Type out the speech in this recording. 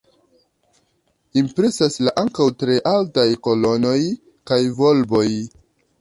Impresas la ankaŭ tre altaj kolonoj kaj volboj.